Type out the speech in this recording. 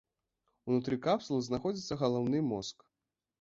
Унутры капсулы знаходзіцца галаўны мозг.